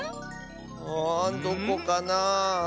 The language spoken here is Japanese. あどこかな？